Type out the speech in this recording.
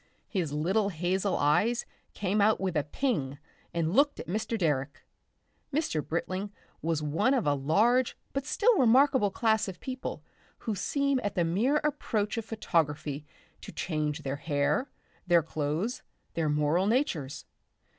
His little hazel eyes came out with a "ping" and looked at Mr. Direck. Mr. Britling was one of a large but still remarkable class of people who seem at the mere approach of photography to change their hair, their clothes, their moral natures.